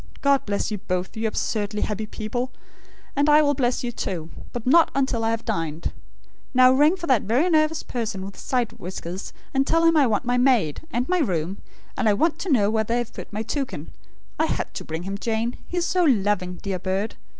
God bless you both, you absurdly happy people; and I will bless you, too; but not until I have dined. Now, ring for that very nervous person, with side whiskers; and tell him I want my maid, and my room, and I want to know where they have put my toucan. I had to bring him, Jane. He is so LOVING, dear bird!